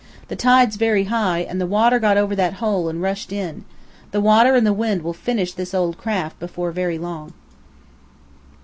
"The tide's very high, and the water got over that hole and rushed in. The water and the wind will finish this old craft before very long."